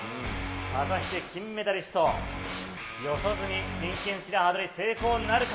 果たして金メダリスト、四十住、真剣白刃取り成功なるか？